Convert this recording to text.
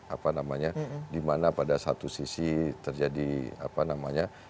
apa namanya di mana pada satu sisi terjadi apa namanya